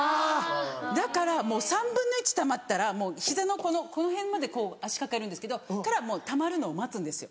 だからもう３分の１たまったら膝のこのこの辺までこう脚抱えるんですけど。からたまるのを待つんですよ。